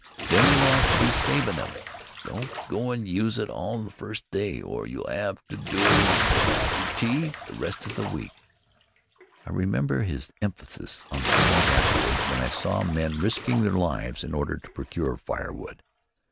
Then you wants to be savin' of it. Don't go an' use it all the first d'y or you'll 'ave to do without yer tea the rest o' the week." I remembered his emphasis upon this point afterward when I saw men risking their lives in order to procure firewood.